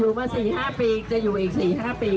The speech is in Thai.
รัฐบาลนี้ใช้วิธีปล่อยให้จนมา๔ปีปีที่๕ค่อยมาแจกเงิน